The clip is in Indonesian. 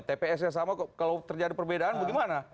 tps nya sama kalau terjadi perbedaan bagaimana